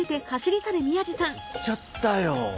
行っちゃったよ